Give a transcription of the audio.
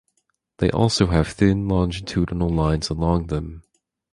They also have thin longitudinal lines along them.